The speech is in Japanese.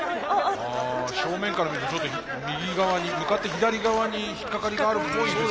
正面から見るとちょっと右側に向かって左側に引っ掛かりがあるっぽいですね。